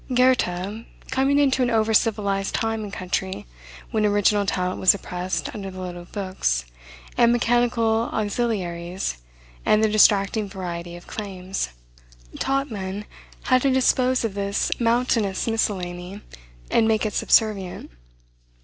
Goethe, coming into an over civilized time and country, when original talent was oppressed under the load of books, and mechanical auxiliaries, and the distracting variety of claims, taught men how to dispose of this mountainous miscellany, and make it subservient.